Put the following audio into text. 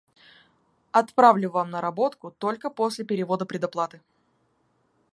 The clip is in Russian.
Отправлю вам наработку только после перевода предоплаты.